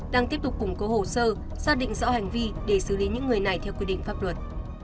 đang tiếp tục củng cố hồ sơ xác định rõ hành vi để xử lý những người này theo quy định pháp luật